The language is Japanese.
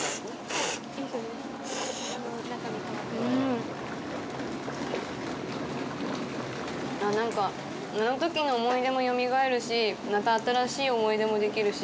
うん！あっ、なんか、あのときの思い出もよみがえるし、また新しい思い出もできるし。